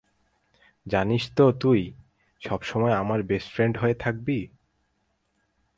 জানিস তো তুই সবসময় আমার বেস্ট ফ্রেন্ড হয়েই থাকবি।